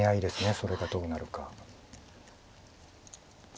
それがどうなるか。